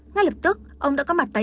ngay lập tức ông đã có mặt tay